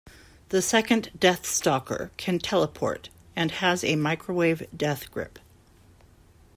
The second Death-Stalker can teleport and has a microwave death grip.